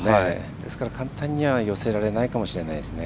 ですから簡単には寄せられないかもしれないです。